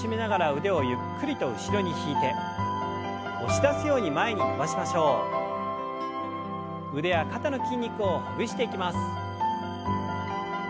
腕や肩の筋肉をほぐしていきます。